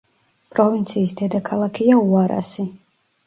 პროვინციის დედაქალაქია უარასი.